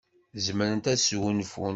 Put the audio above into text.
Zemrent ad sgunfunt.